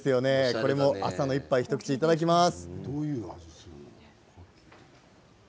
これも朝の１杯一口いただきます。